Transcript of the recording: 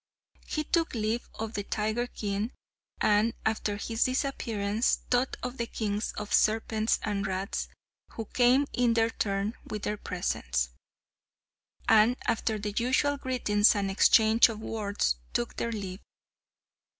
He took leave of the tiger king, and after his disappearance thought of the kings of serpents and rats, who came in their turn with their presents, and after the usual greetings and exchange of words took their leave.